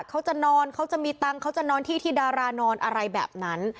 เขาจะนอนเขาจะมีตังค์เขาจะนอนที่ที่ดารานอนอะไรแบบนั้น